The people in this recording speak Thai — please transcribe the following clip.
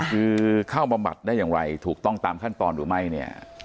คือเข้ามาบำบัดได้อย่างไรถูกต้องตามขั้นตอนหรือไม่เนี่ย